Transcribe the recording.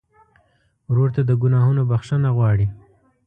ورور ته د ګناهونو بخښنه غواړې.